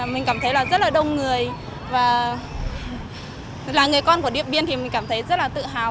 mình cảm thấy là rất là đông người và là người con của điện biên thì mình cảm thấy rất là tự hào